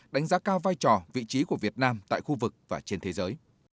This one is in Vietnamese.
đánh giá cao vai trò vị trí của việt nam tại khu vực và trên thế giới